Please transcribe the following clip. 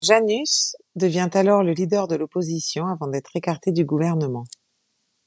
Janusz devient alors le leader de l'opposition avant d'être écarté du gouvernement.